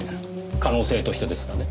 可能性としてですがね。